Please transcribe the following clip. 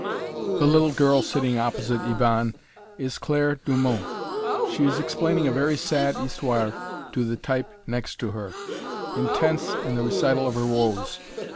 The little girl sitting opposite Yvonne is Claire Dumont. She is explaining a very sad "histoire" to the "type" next to her, intense in the recital of her woes.